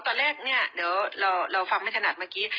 ตอนแรกเนี่ยเดี๋ยวเราฟังไม่ถนัดเมื่อกี้